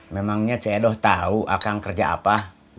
memangnya cedoh tahu akang kerja apa